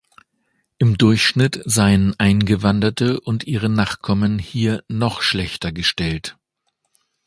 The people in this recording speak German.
Im Durchschnitt seien Eingewanderte und ihre Nachkommen hier noch schlechter gestellt.